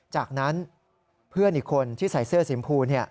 จากนั้นเพื่อนอีกคนที่ใส่เสื้อสีมพู